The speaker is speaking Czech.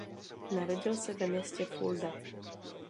Narodil se ve městě Fulda.